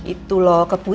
itu kan ah